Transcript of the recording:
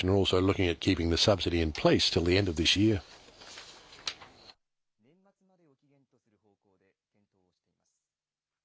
拡充した補助金は、年末までを期限とする方向で検討をしています。